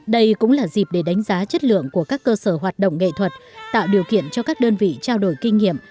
đây cũng là dịp để đánh giá chất lượng của các cơ sở hoạt động nghệ thuật tạo điều kiện cho các đơn vị trao đổi kinh nghiệm